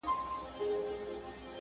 نن هغه غشي د خور ټيكري پېيلي.!